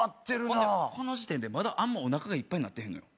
ほんでこの時点でまだあんまおなかがいっぱいなってへんのよ。